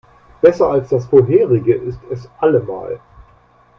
Besser als das vorherige ist es allemal.